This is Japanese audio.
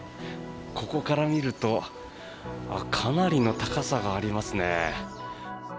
ここから見るとかなりの高さがありますね。